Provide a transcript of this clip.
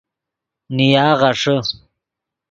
نیا غیݰے